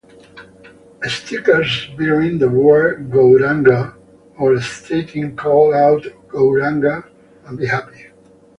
Stickers bearing the word Gouranga or stating Call out Gouranga and be happy!